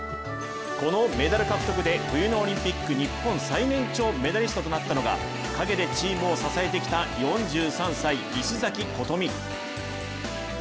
このメダル獲得で冬のオリンピック日本最年長となったのが陰でチームを支えてきた４３歳、石崎琴美。